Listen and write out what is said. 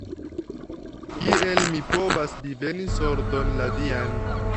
Kiel mi povas diveni sorton la vian?